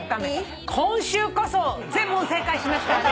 今週こそ全問正解しますからね。